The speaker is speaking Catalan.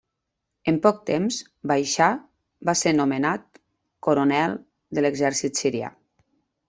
En poc temps, Baixar va ser nomenat coronel de l'exèrcit sirià.